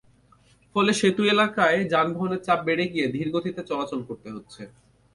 ফলে সেতু এলাকায় যানবাহনের চাপ বেড়ে গিয়ে ধীর গতিতে চলাচল করতে হচ্ছে।